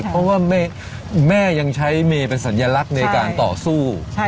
เพราะว่าแม่ยังใช้เมย์เป็นสัญลักษณ์ในการต่อสู้